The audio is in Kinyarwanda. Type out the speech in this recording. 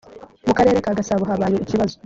mu karere ka gasabo habaye ikibazo